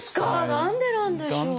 何でなんでしょう？